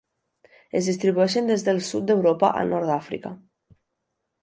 Es distribueixen des del sud d'Europa al nord d'Àfrica.